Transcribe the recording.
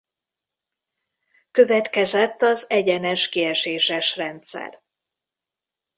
Következett az egyenes kieséses rendszer.